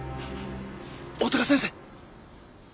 大鷹先生！